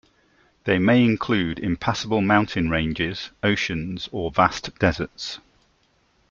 They may include impassable mountain ranges, oceans, or vast deserts.